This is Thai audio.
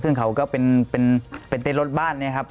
ซึ่งเขาก็เป็นเป็นเป็นรถบ้านนะครับ